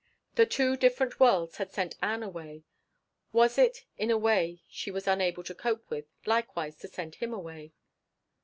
The two different worlds had sent Ann away; was it, in a way she was unable to cope with, likewise to send him away?